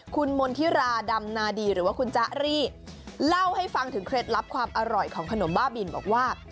คุณมณฑิราดำนาดีหรือว่าคุณจ๊ะรี่เล่าให้ฟังถึงเคล็ดลับความอร่อยของขนมบ้าบินบอกว่า